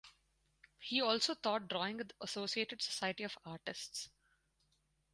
He also taught drawing at the associated Society of Artists.